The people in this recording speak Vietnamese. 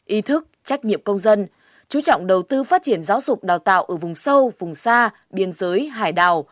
ý thức trách nhiệm công dân chú trọng đầu tư phát triển giáo dục đào tạo ở vùng sâu vùng xa biên giới hải đảo